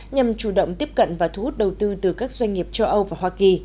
nhằm chủ động tiếp cận và thu hút đầu tư từ các doanh nghiệp châu âu và hoa kỳ